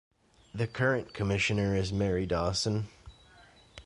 The current Commissioner is Mary Dawson.